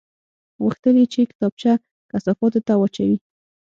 غوښتل یې چې کتابچه کثافاتو ته واچوي